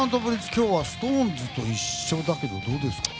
今日はＳｉｘＴＯＮＥＳと一緒だけどどうですか？